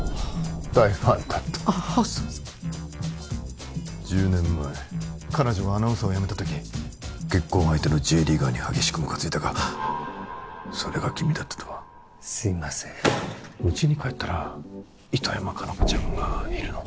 大ファンだったああそうですか１０年前彼女がアナウンサーをやめた時結婚相手のＪリーガーに激しくムカついたがそれが君だったとはすいませんうちに帰ったら糸山果奈子ちゃんがいるの？